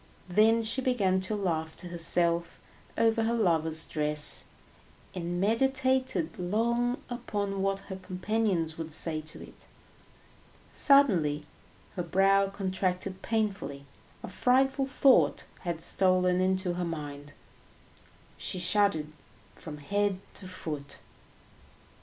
Then she began to laugh to herself over her lover's dress, and meditated long upon what her companions would say to it. Suddenly her brow contracted painfully, a frightful thought had stolen into her mind, she shuddered from head to foot.